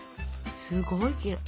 すごいきれい。